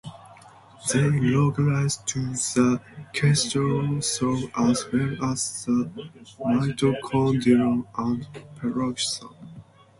They localize to the cytosol as well as the mitochondrion and peroxisome.